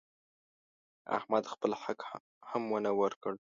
احمد خپل حق هم ونه ورکړ.